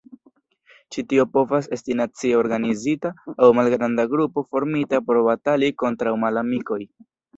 Ĉi tio povas esti nacie organizita aŭ malgranda grupo formita por batali kontraŭ malamikoj.